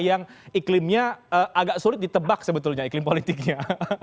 yang iklimnya agak sulit ditebak sebetulnya iklim politiknya